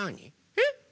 えっ？